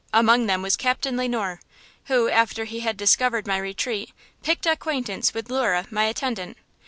Among them was Captain Le Noir, who, after he had discovered my retreat, picked acquaintance with Lura, my attendant.